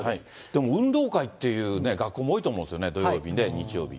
でも運動会っていうね、学校も多いと思うんですよね、土曜日、日曜日。